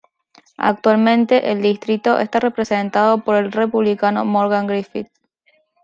Actualmente el distrito está representado por el republicano Morgan Griffith.